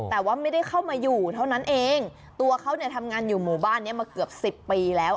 แต่ว่าไม่ได้เข้ามาอยู่เท่านั้นเองตัวเขาเนี่ยทำงานอยู่หมู่บ้านเนี้ยมาเกือบสิบปีแล้ว